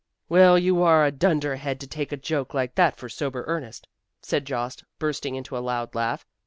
"Well, you are a dunderhead to take a joke like that for sober earnest," said Jost, bursting into a loud laugh.